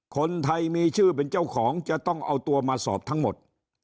คนไทยมีชื่อเป็นเจ้าของจะต้องเอาตัวมาสอบทั้งหมด